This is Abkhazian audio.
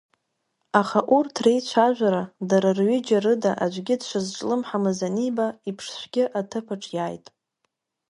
Аха урҭ реицәажәара, дара рҩыџьа рыда аӡәгьы дшазҿлымҳамыз аниба иԥшшәгьы аҭыԥаҿ иааит.